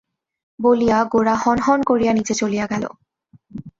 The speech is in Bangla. বলিয়া গোরা হন হন করিয়া নীচে চলিয়া গেল।